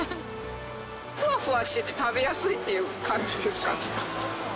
ふわふわしてて食べやすいっていう感じですかね。